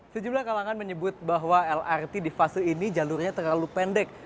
sejumlah kalangan menyebut bahwa lrt di fase ini jalurnya terlalu pendek